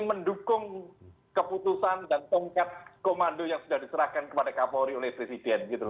mendukung keputusan dan tongkat komando yang sudah diserahkan kepada kapolri oleh presiden gitu